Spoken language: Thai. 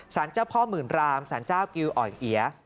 ศาลเจ้าพ่อหมื่นรามศาลเจ้ากิวอ๋อยเหยีย